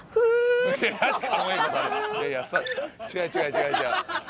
違う違う違う違う。